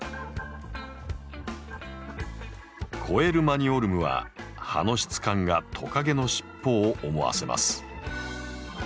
コエルマニオルムは葉の質感がトカゲの尻尾を思わせます。